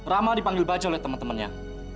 rama dipanggil baju oleh teman temannya